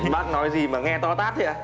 bác nói gì mà nghe to tát vậy